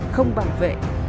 không bảo vệ